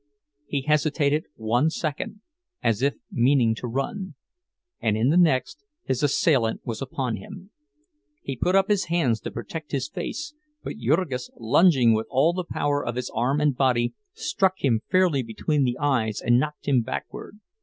He hesitated one second, as if meaning to run; and in the next his assailant was upon him. He put up his hands to protect his face, but Jurgis, lunging with all the power of his arm and body, struck him fairly between the eyes and knocked him backward.